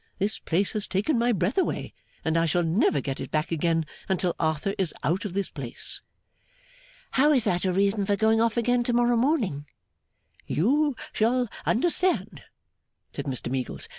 This place has taken my breath away, and I shall never get it back again until Arthur is out of this place.' 'How is that a reason for going off again to morrow morning?' 'You shall understand,' said Mr Meagles.